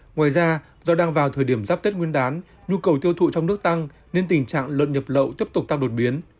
ngoài ra do đang vào thời điểm giáp tết nguyên đán nhu cầu tiêu thụ trong nước tăng nên tình trạng lợn nhập lậu tiếp tục tăng đột biến